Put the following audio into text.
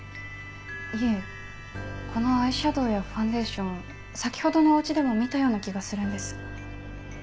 いえこのアイシャドーやファンデーション先ほどのお家でも見たような気がするんです。